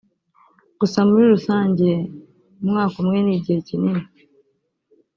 gusa muri rusange umwaka umwe ni igihe kinini